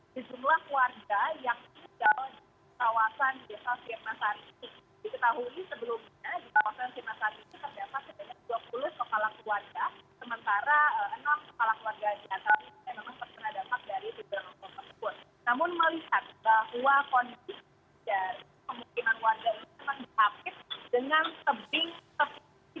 di jumlah warga yang tinggal di kawasan desa siena sarisi